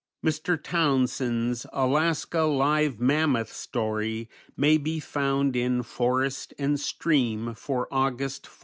Mr. Townsend's "Alaska Live Mammoth Story" may be found in "Forest and Stream" for August 14, 1897.